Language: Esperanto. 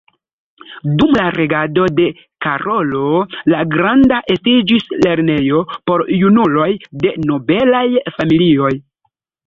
Dum la regado de Karolo la Granda estiĝis lernejo por junuloj de nobelaj familioj.